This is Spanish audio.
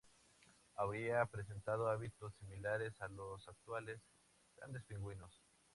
Habría presentado hábitos similares a los actuales grandes pingüinos.